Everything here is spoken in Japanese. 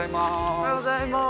おはようございます。